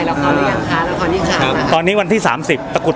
ละครแล้วกันค่ะแล้วพอนี่ชาติครับอันนี้วันที่สามสิบประกุธ